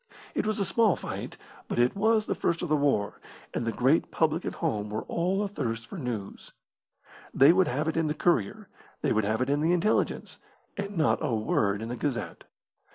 It was a small fight, but it was the first of the war, and the great public at home were all athirst for news. They would have it in the Courier; they would have it in the Intelligence, and not a word in the Gazette.